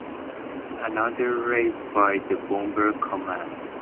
Another raid by the Bomber Command.